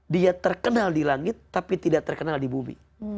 dia terkenal di langit tapi tidak terkenal di bumi